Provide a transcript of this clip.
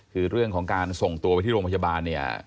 คือเรื่องของการส่งตัวไปที่โรงพยาบาลเนี่ย